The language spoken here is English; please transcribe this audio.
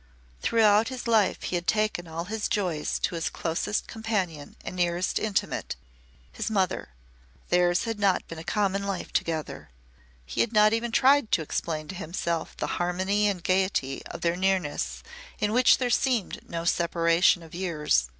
Throughout his life he had taken all his joys to his closest companion and nearest intimate his mother. Theirs had not been a common life together. He had not even tried to explain to himself the harmony and gaiety of their nearness in which there seemed no separation of years.